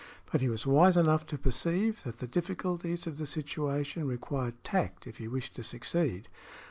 But he was wise enough to perceive that the difficulties of the situation required tact if he wished to succeed.